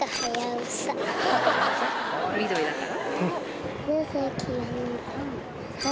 緑だから？